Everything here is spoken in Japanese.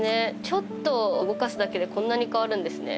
ちょっと動かすだけでこんなに変わるんですね。